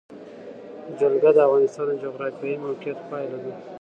جلګه د افغانستان د جغرافیایي موقیعت پایله ده.